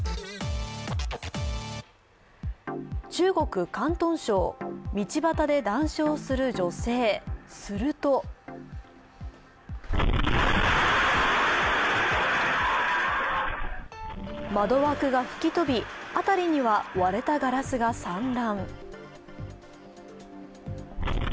中国・広東省、道端で談笑する女性、すると窓枠が吹き飛び辺りには割れたガラスが散乱。